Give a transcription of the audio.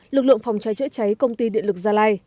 lực lượng phòng cháy chữa cháy công ty điện lực gia lai